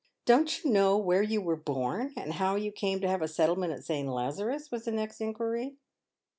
" Don't you know where you were born, and how you came to have a settlement in St. Lazarus ?" was the next inquiry.